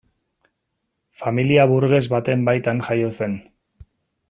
Familia burges baten baitan jaio zen.